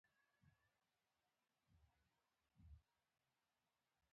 سپوږمۍ د لمر له روښنایي څخه ګټه اخلي